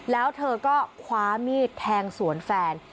แล้วเธอก็คว้ามีดแทงสวนแฟน